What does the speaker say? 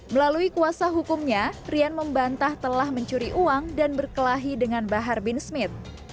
melalui kuasa hukumnya rian membantah telah mencuri uang dan berkelahi dengan bahar bin smith